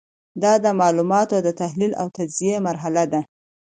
دا د معلوماتو د تحلیل او تجزیې مرحله ده.